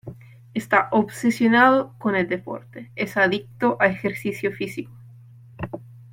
Está obsesionado con el deporte: es adicto a ejercicio físico.